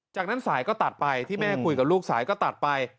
จากนั้นสายก็ตัดไปที่แม่คุยกับลูกสายก็ตัดไป